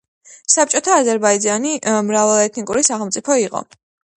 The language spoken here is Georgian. საბჭოთა აზერბაიჯანი მრავალეთნიკური სახელმწიფო იყო